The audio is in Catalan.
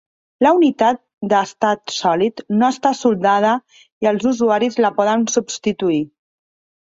La unitat de estat sòlid no està soldada i els usuaris la poden substituir.